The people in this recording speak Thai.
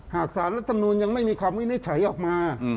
หากสารและสำนวนยังไม่มีคำวินิจฉัยออกมา